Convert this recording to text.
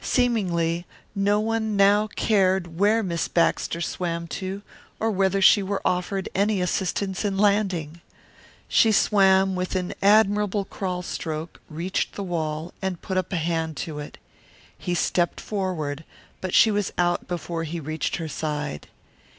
Seemingly no one now cared where Miss Baxter swam to or whether she were offered any assistance in landing. She swam with an admirable crawl stroke, reached the wall, and put up a hand to it. He stepped forward, but she was out before he reached her side.